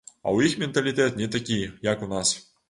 А ў іх менталітэт не такі, як у нас.